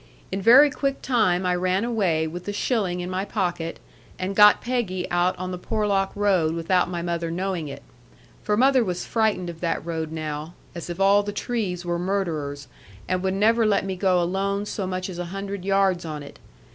In very quick time I ran away with the shilling in my pocket, and got Peggy out on the Porlock road without my mother knowing it. For mother was frightened of that road now, as if all the trees were murderers, and would never let me go alone so much as a hundred yards on it.